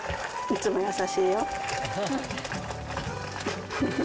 いつも優しいよ。